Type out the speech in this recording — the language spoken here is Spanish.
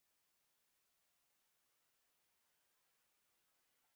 Originalmente era parte del palacio de los obispos de Ely.